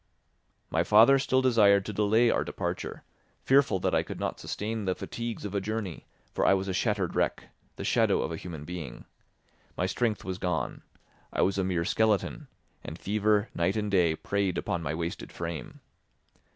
My father still desired to delay our departure, fearful that I could not sustain the fatigues of a journey, for I was a shattered wreck—the shadow of a human being. My strength was gone. I was a mere skeleton, and fever night and day preyed upon my wasted frame.